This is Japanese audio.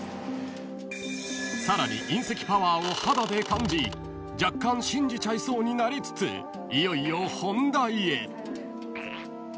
［さらに隕石パワーを肌で感じ若干信じちゃいそうになりつついよいよ本題へ］